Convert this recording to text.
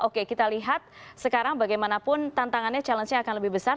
oke kita lihat sekarang bagaimanapun tantangannya challenge nya akan lebih besar